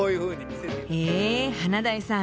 え華大さん。